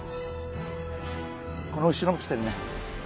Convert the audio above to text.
この後ろも来てるね！